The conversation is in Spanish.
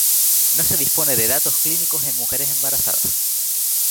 No se dispone de datos clínicos en mujeres embarazadas.